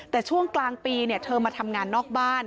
แต่ช่วงกลางปีเธอมาทำงานนอกบ้าน